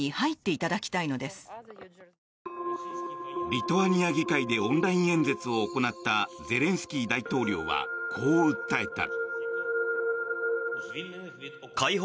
リトアニア議会でオンライン演説を行ったゼレンスキー大統領はこう訴えた。